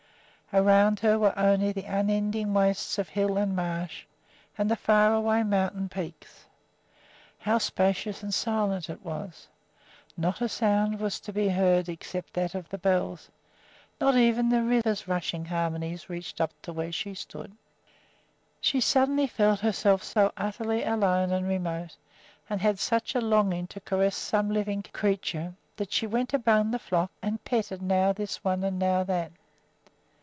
Around her were only the unending wastes of hill and marsh and the faraway mountain peaks. How spacious and silent it was! Not a sound was to be heard except that of the bells; not even the river's rushing harmonies reached up to where she stood. She suddenly felt herself so utterly alone and remote and had such a longing to caress some living creature that she went among the flock and petted now this one and now that.